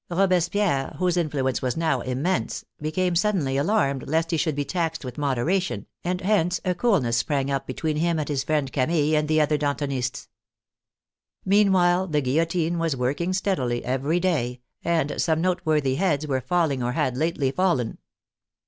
Robespierre, whose influence was now immense, became suddenly alarmed lest he should be taxed with moderation, and hence a coolness sprang up between him and his friend Camille and the other Dan tonists. Meanwhile the guillotine was working steadily every day, and some noteworthy heads were falling or had lately fallen.